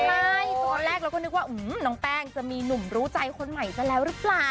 ใช่ตอนแรกเราก็นึกว่าน้องแป้งจะมีหนุ่มรู้ใจคนใหม่ซะแล้วหรือเปล่า